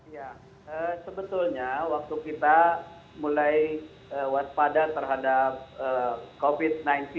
ya sebetulnya waktu kita mulai waspada terhadap covid sembilan belas